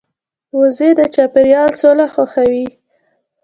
وزې د چاپېریال سوله خوښوي